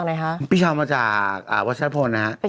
คุณผู้ชมอยู่แถวไหนส่งมาบอกเราหน่อย